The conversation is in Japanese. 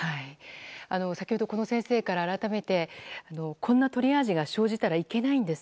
先ほどこの先生から改めてこんなトリアージが生じたらいけないんです。